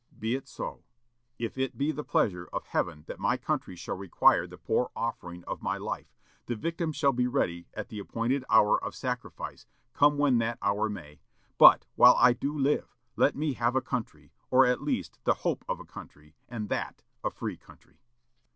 Be it so. If it be the pleasure of Heaven that my country shall require the poor offering of my life, the victim shall be ready at the appointed hour of sacrifice, come when that hour may. But, while I do live, let me have a country, or at least the hope of a country, and that a free country."